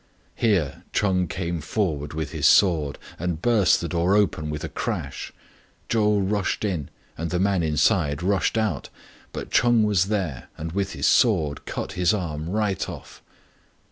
Here Ch'eng came forward with his sword, 8 and burst the door open with a crash. Chou rushed in, and the man inside rushed out ; but Ch'eng was there, and with his sword cut his arm right off.